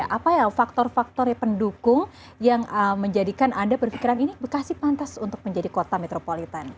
apa ya faktor faktor pendukung yang menjadikan anda berpikiran ini bekasi pantas untuk menjadi kota metropolitan